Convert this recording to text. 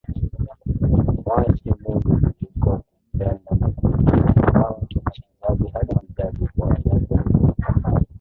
Kumwasi Mungu kuliko kumpenda na Kumtii Ingawa toka kizazi hadi kizazi kwa kiasi kikubwa